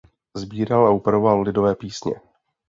Sbíral a upravoval lidové písně.